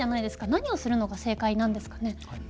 何をするのが正解なんですかね。